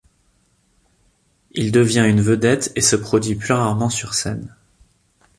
Il devient une vedette et se produit plus rarement sur scène.